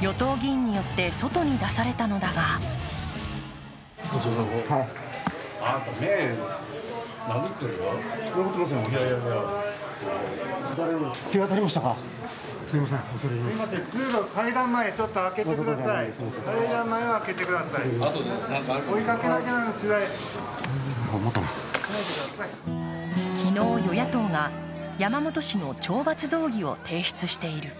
与党議員によって外に出されたのだが昨日、与野党が山本氏の懲罰動議を提出している。